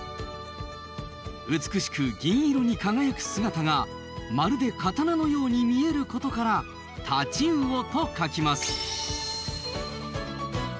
美しく銀色に輝く姿がまるで刀のように見えることから太刀魚と書きます。